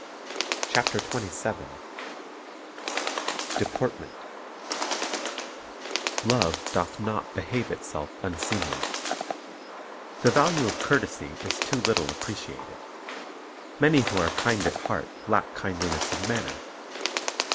Deportment Utiles of Etiquette "love doth not behave itself unseemly" 'T^HE value of courtesy is too little appreciated. * Many who are kind at heart lack kindliness of manner.